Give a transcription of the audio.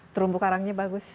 terumbu karangnya bagus